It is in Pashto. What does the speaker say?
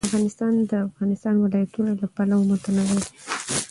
افغانستان د د افغانستان ولايتونه له پلوه متنوع دی.